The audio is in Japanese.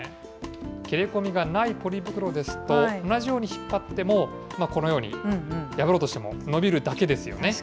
切れ込みがないポリ袋ですと、同じように引っ張っても、このように、破ろうとしても伸びるだけですよね。